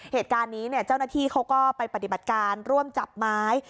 เหตุการณ์นี้เจ้าหน้าที่เขาก็ไปปฏิบัติการร่วมจับไม้